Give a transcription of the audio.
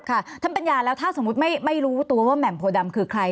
ท่านปัญญาแล้วถ้าสมมุติไม่รู้ตัวว่าแหม่มโพดำคือใคร